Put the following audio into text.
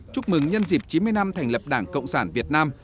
chúc mừng nhân dịp chín mươi năm thành lập đảng cộng sản việt nam